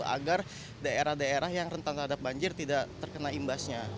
agar daerah daerah yang rentan terhadap banjir tidak terkena imbasnya